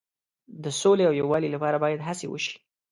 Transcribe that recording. د سولې او یووالي لپاره باید هڅې وشي.